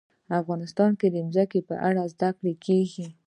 افغانستان کې د ځمکه په اړه زده کړه کېږي.